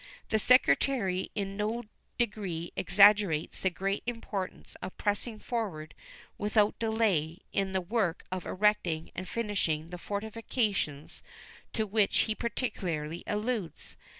The Secretary in no degree exaggerates the great importance of pressing forward without delay in the work of erecting and finishing the fortifications to which he particularly alludes.